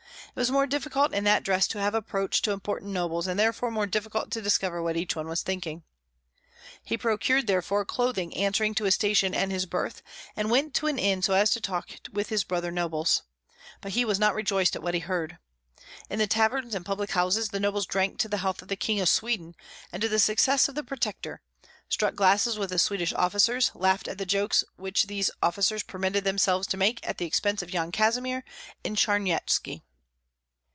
It was more difficult in that dress to have approach to important nobles, and therefore more difficult to discover what each one was thinking. He procured therefore clothing answering to his station and his birth, and went to an inn so as to talk with his brother nobles. But he was not rejoiced at what he heard. In the taverns and public houses the nobles drank to the health of the King of Sweden, and to the success of the protector, struck glasses with the Swedish officers, laughed at the jokes which these officers permitted themselves to make at the expense of Yan Kazimir and Charnyetski.